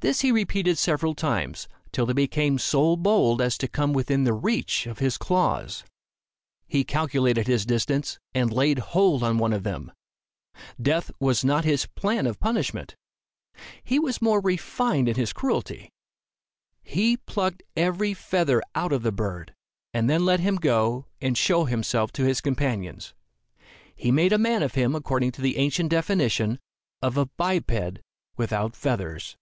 This he repeated several times, till they became so bold as to come within the reach of his claws. He calculated his distance, and laid hold of one of them. Death was not his plan of punishment. He was more refined in his cruelty. He plucked every feather out of the bird, and then let him go and show himself to his companions. He made a man of him according to the ancient definition of a "biped without feathers."